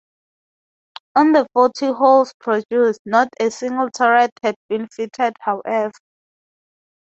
On the forty hulls produced, not a single turret had been fitted however.